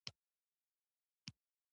لاس یې بیا وغوړوی.